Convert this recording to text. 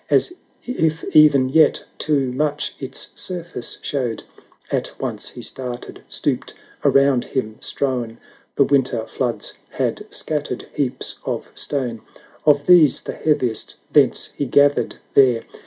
As if even yet too much its surface showed ; At once he started — stooped — around him strown The winter floods had scattered heaps of stone; Of these the heaviest thence he gathered there.